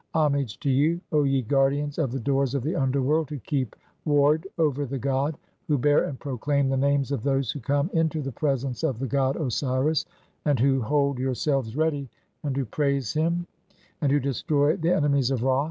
Homage to you, O ye guardians of the "doors of the underworld, who keep ward over the god, who "bear and proclaim [the names of those who come] into the "presence of the god (3) Osiris, and who hold yourselves ready, "and who praise [him], and who destroy the Enemies of Ra.